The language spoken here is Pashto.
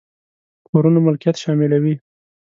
کورونو ملکيت شاملوي.